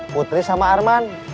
putri sama arman